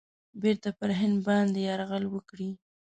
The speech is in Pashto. بیرته پر هند باندي یرغل وکړي.